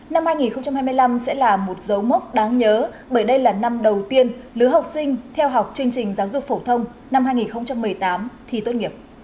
năm hai nghìn hai mươi năm sẽ là một dấu mốc đáng nhớ bởi đây là năm đầu tiên lứa học sinh theo học chương trình giáo dục phổ thông năm hai nghìn một mươi tám thi tốt nghiệp